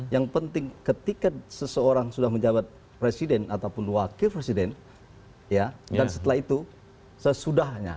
yang penting ketika seseorang sudah menjabat presiden ataupun wakil presiden dan setelah itu sesudahnya